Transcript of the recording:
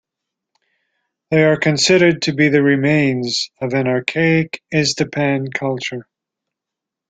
They are considered to be the remains of an archaic Iztapan culture.